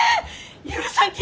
許さんき！